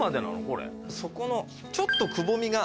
そこのちょっとくぼみが。